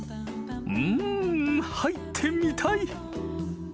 うん入ってみたい。